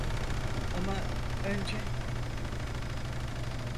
Ama önce…